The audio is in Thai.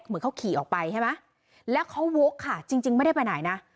เหมือนเขาขี่ออกไปใช่ไหมแล้วเขาวกค่ะจริงไม่ได้ไปไหนนะ